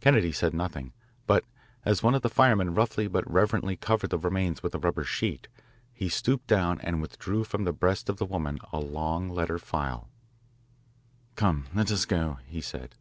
Kennedy said nothing, but as one of the firemen roughly but reverently covered the remains with a rubber sheet, he stooped down and withdrew from the breast of the woman a long letter file. "Come, let us go," he said.